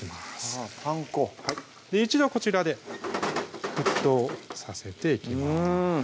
あぁパン粉一度こちらで沸騰させていきます